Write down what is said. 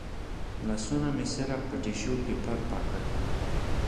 لاسونه مې صرف په ټیشو پیپر پاک کړي و.